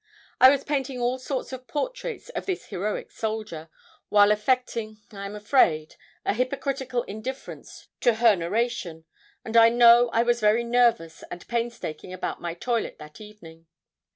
I was painting all sort of portraits of this heroic soldier, while affecting, I am afraid, a hypocritical indifference to her narration, and I know I was very nervous and painstaking about my toilet that evening.